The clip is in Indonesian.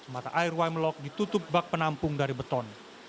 mata air wimelock ditutup bak penampung dari beton